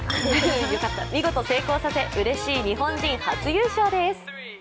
見事成功させ、うれしい日本人初優勝です。